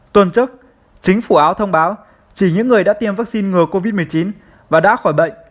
tuần trước chính phủ áo thông báo chỉ những người đã tiêm vaccine ngừa covid một mươi chín và đã khỏi bệnh